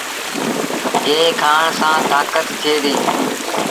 گيه کآڻ سآݩ تآݩڪت ٿئي ديٚ۔